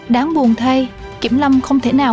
đáng buồn thay kiểm lâm không thể nào